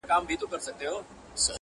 زړه قلا!